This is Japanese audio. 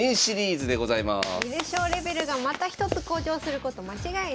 観る将レベルがまた一つ向上すること間違いなし。